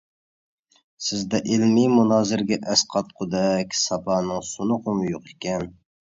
سىزدە ئىلمىي مۇنازىرىگە ئەسقاتقۇدەك ساپانىڭ سۇنۇقىمۇ يوق ئىكەن.